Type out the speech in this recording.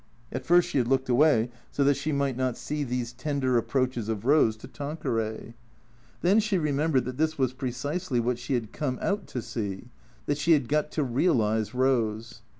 At first she had looked away so that she might not see these tender approaches of Eose to Tanqueray. Then she re membered that this was precisely what she had come out to 9 135 136 THECEEATOSS see, — that she had got to realize Eose.